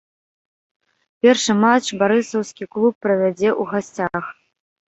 Першы матч барысаўскі клуб правядзе ў гасцях.